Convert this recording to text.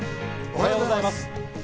おはようございます。